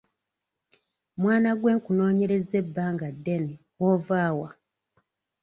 Mwana gwe nkunoonyerezza ebbanga ddene ova wa?